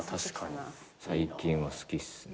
最近は好きっすね。